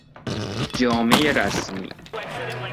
جامهی رسمی